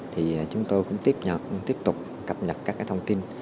thì chúng tôi cũng tiếp nhật tiếp tục cập nhật các thông tin